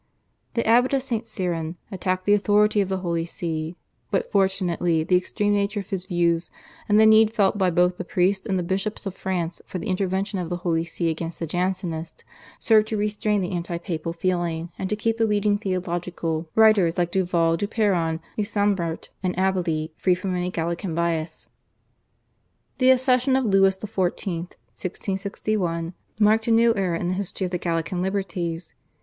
The Abbot of St. Cyran attacked the authority of the Holy See, but fortunately the extreme nature of his views, and the need felt by both the priests and the bishops of France for the intervention of the Holy See against the Jansenists, served to restrain the anti papal feeling, and to keep the leading theological writers, like Duval, Du Perron, Ysambert and Abelly, free from any Gallican bias. The accession of Louis XIV. (1661) marked a new era in the history of the Gallican Liberties.